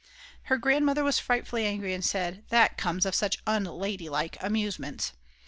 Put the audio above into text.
Her grandmother was frightfully angry and said: "That comes of such unladylike amusements!"